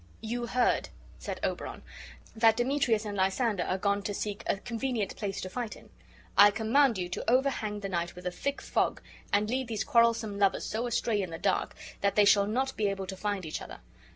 "You heard," said Oberon, "that Demetrius and Lysander are gone to seek a convenient place to fight in. I command you to overhang the night with a thick fog, and lead these quarrelsome lovers so astray in' the dark that they shall not be able to find each other.